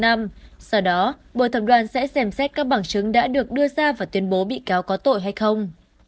sau đó bộ thẩm đoàn sẽ xem xét các bằng chứng đã được đưa ra và tuyên bố bị cáo có tội hay không